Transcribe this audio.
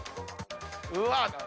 うわっ！